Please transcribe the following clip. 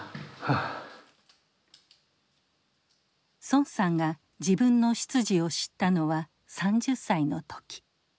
孫さんが自分の出自を知ったのは３０歳の時。